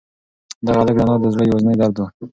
دغه هلک د انا د زړه یوازینۍ درد و.